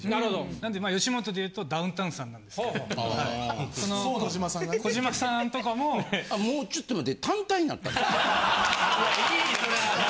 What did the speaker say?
なので吉本で言うとダウンタウンさんなんですけど。ああ。児嶋さんとかも。もうちょっと待って。